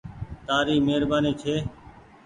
تآري مهرباني ڇي